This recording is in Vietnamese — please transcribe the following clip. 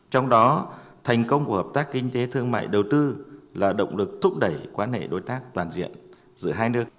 trong đó thành công của hợp tác kinh tế thương mại đầu tư là động lực thúc đẩy quan hệ đối tác toàn diện giữa hai nước